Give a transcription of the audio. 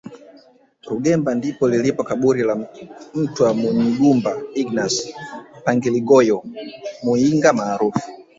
Rugemba ndipo lilipo kaburi la mtwa Munyigumba Ignas Pangiligosi Muyinga maarufu